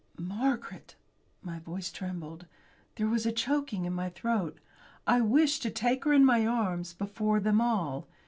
"Margaret!" My voice trembled. There was a choking in my throat. I wished to take her in my arms before them all.